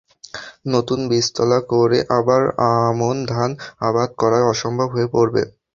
নতুন বীজতলা করে আবার আমন ধান আবাদ করা অসম্ভব হয়ে পড়বে।